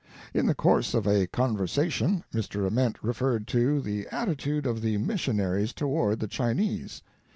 "In the course of a conversation Mr. Ament referred to the atti tude of the missionaries toward the Chinese.